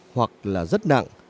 hoặc là rất nặng